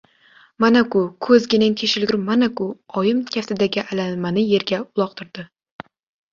— Mana-ku, ko‘zginang teshilgur, mana-ku! — Oyim kaftidagi allanimani yerga uloqtirdi.